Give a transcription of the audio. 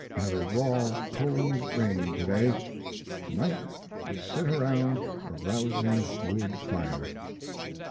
Had a raw, cold rain to day. To night we sit around a rousing wood fire.